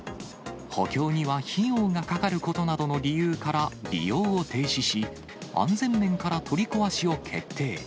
補強には費用がかかることなどの理由から、利用を停止し、安全面から取り壊しを決定。